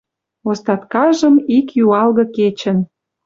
Остаткажым ик юалгы кечӹн